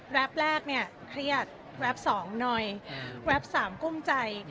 รับแรกเนี่ยเครียดรับสองหน่อยรับสามกุ้มใจ